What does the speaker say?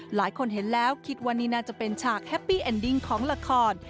หลายคนเห็นแล้วคิดว่านี่น่าจะเป็นฉากแฮปปี้แอนดิ้งของละคร